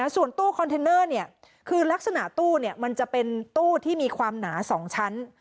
ส่วนตู้คอนเทนเนอร์คือลักษณะตู้มันจะเป็นตู้ที่มีความหนา๒ชั้น